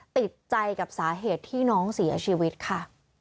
ติดใจกับสาเหตุที่น้องเสียชีวิตค่ะ